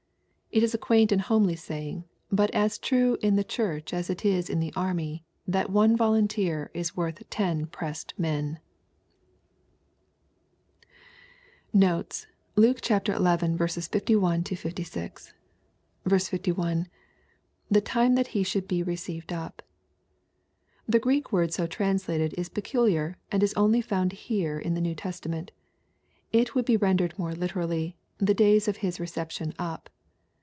It is a quaint and homely saying, but as true in the Church as it is in the army, that " one volunteer is worth ten pressed men." Notes. Luke IX. 51 — ^56. 61. — [The time Ihai he shoidd he received vp.] The Greek word so translated is peculiar, and is only found here in the New Testa ment It would be rendered more literally, ''the days of his reception up."